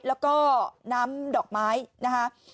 แล้วก็น้ำดอกไม้นะคะ